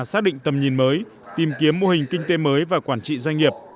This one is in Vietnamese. xác định tầm nhìn mới tìm kiếm mô hình kinh tế mới và quản trị doanh nghiệp